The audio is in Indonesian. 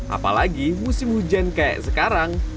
apalagi musim hujan kayak sekarang